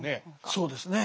そうですね。